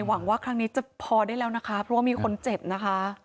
หวังว่าครั้งนี้จะพอได้แล้วนะคะเพราะว่ามีคนเจ็บนะคะ